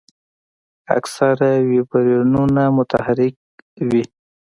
اکثره ویبریونونه متحرک وي.